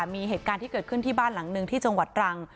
มีเหตุการณ์ที่เกิดขึ้นที่บ้านหลังหนึ่งที่จังหวัดตรัง